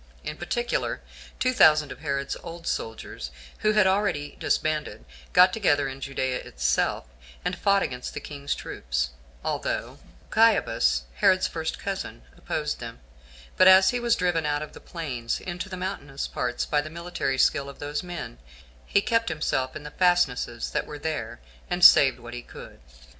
In particular, two thousand of Herod's old soldiers, who had been already disbanded, got together in Judea itself, and fought against the king's troops, although Achiabus, Herod's first cousin, opposed them; but as he was driven out of the plains into the mountainous parts by the military skill of those men, he kept himself in the fastnesses that were there, and saved what he could.